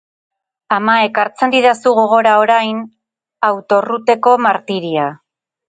Ama ekartzen didazu gogora orain, autorouteko martiria.